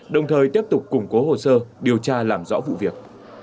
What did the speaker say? đồng thời tiếp tục củng cố hồ sơ điều tra làm rõ vụ việc